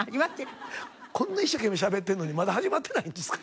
こんな一生懸命喋ってるのにまだ始まってないんですか？